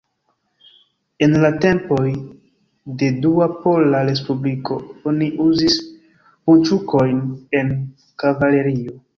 En la tempoj de Dua Pola Respubliko oni uzis bunĉukojn en kavalerio.